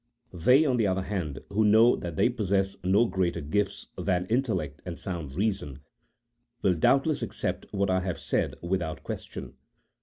They, on the other hand, who know that they possess no greater gift than in tellect and sound reason, will doubtless accept what I have said without question.